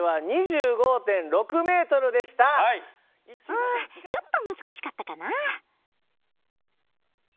うんちょっと難しかったかな。